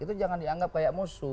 itu jangan dianggap kayak musuh